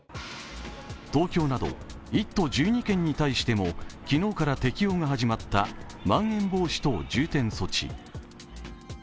東京など１都１２県に対しても昨日から適用が始まったまん延防止等重点措置。